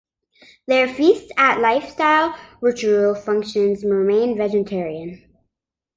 Their feasts at lifestyle ritual functions remain vegetarian.